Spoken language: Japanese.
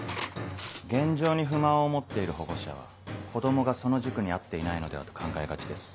現状に不満を持っている保護者は子供がその塾に合っていないのではと考えがちです。